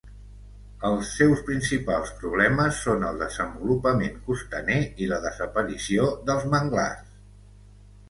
Els seus principals problemes són el desenvolupament costaner i la desaparició dels manglars.